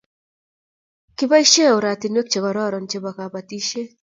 Kiboisie oratinwek che kororon chebo kabatishiet